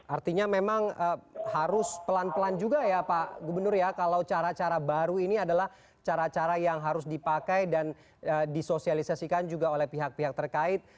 artinya memang harus pelan pelan juga ya pak gubernur ya kalau cara cara baru ini adalah cara cara yang harus dipakai dan disosialisasikan juga oleh pihak pihak terkait